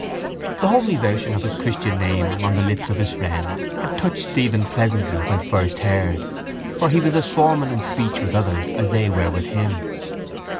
The homely version of his christian name on the lips of his friend had touched Stephen pleasantly when first heard for he was as formal in speech with others as they were with him.